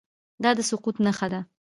دا د سقوط نښه ده.